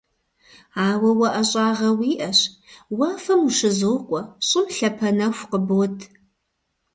Ауэ уэ ӏэщӏагъэ уиӏэщ: уафэм ущызокӏуэ, щӏым лъапэ нэху къыбот.